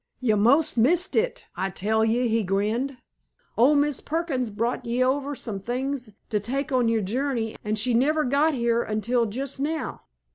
"Ye 'most missed it, I tell ye," he grinned. "Ol' Mis' Perkins brought ye over some things t' take on your journey, an' she never got here until jist now.